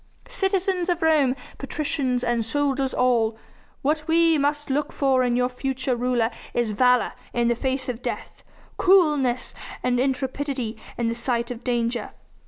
Citizens of Rome, patricians, and soldiers all! What we must look for in your future ruler is valour in the face of death, coolness and intrepidity in the sight of danger.